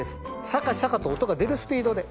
シャカシャカと音が出るスピードで。